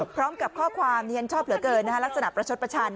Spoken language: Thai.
พร้อมกับข้อความชอบเหลือเกินลักษณะประชดประชัน